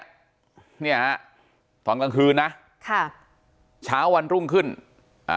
เนี่ยฮะตอนกลางคืนนะค่ะเช้าวันรุ่งขึ้นอ่า